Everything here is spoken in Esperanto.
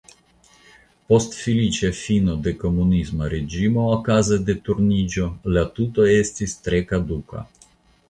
Post feliĉa fino de komunisma reĝimo okaze de Turniĝo la tuto estis tre kaduka.